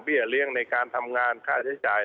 เลี้ยงในการทำงานค่าใช้จ่าย